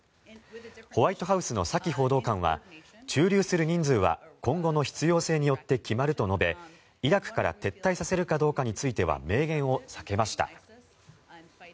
ホワイトハウスのサキ報道官は駐留する人数は今後の必要性によって決まると述べイラクから撤退させるかどうかについては明言を避けました。